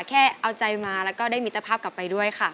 แค่เอาใจมาแล้วก็ได้มิตรภาพกลับไปด้วยค่ะ